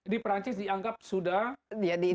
di prancis dianggap sudah didaftarkan